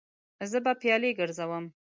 زه به پیالې ګرځوم.